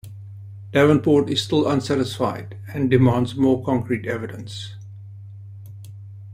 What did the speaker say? Davenport is still unsatisfied and demands more concrete evidence.